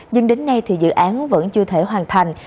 nhưng đến nay thì dự án vẫn chưa thể hoàn thành